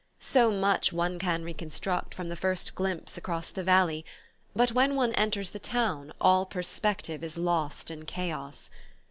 So much one can reconstruct from the first glimpse across the valley; but when one enters the town all perspective is lost in chaos.